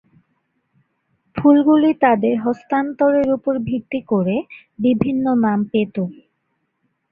ফুলগুলো তাদের হস্তান্তরের উপর ভিত্তি করে বিভিন্ন নাম পেত।